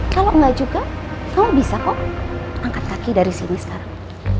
kalau enggak juga kalau bisa kok angkat kaki dari sini sekarang